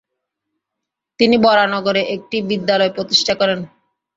তিনি বরানগরে একটি বিদ্যালয় প্রতিষ্ঠা করেন।